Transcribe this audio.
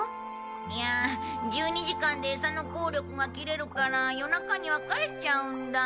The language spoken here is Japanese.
いや１２時間でえさの効力が切れるから夜中には帰っちゃうんだ。